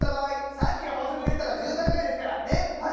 さっきの法則で言ったら住宅街ですから「あれ？